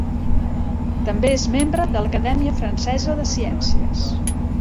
També és membre de l'Acadèmia Francesa de Ciències.